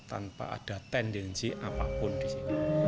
tanpa ada tendensi apapun di sini